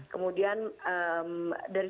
kemudian dari situ